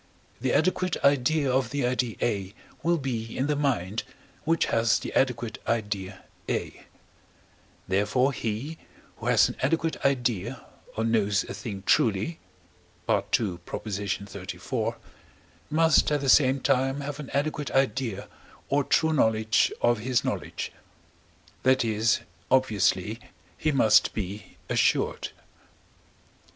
the adequate idea of the idea A will be in the mind, which has the adequate idea A; therefore he, who has an adequate idea or knows a thing truly (II. xxxiv.), must at the same time have an adequate idea or true knowledge of his knowledge; that is, obviously, he must be assured.